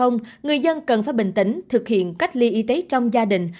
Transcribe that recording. người dân cần phải bình tĩnh thực hiện cách ly y tế trong gia đình